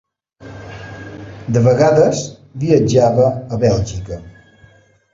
De vegades viatjava a Bèlgica.